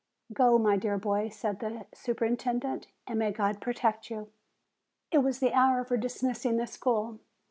"Go, my dear boy," said the superintendent; "and may God protect you!" It was the hour for dismissing the school.